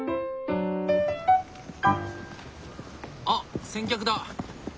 あっ先客だ！